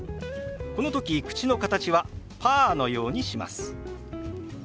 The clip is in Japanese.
この時口の形はパーのようにします。